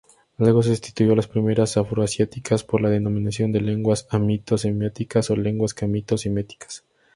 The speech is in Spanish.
Luego sustituyó las primeras, afroasiáticas, por la denominación de Lenguas hamito-semíticas o Lenguas camito-semíticas.